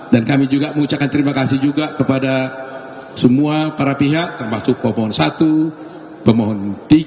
dan kami juga mengucapkan terima kasih kepada pimpa pahlawanpemohon satu pemohon tiga